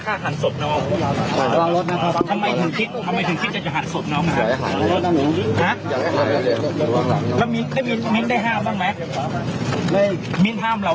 ก่อนนั้นที่เคยตีนแล้วเหมือนมั้ย